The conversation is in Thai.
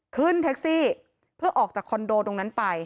ขึ้นแท็กซี่เพื่อออกจากคอนโดตรงนั้นไป